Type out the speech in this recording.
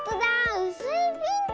うすいピンク！